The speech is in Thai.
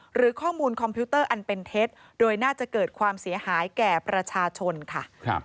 หรือข้อมูลคอมพิวเตอร์อันเป็นเท็จโดยน่าจะเกิดความเสียหายแก่ประชาชนค่ะ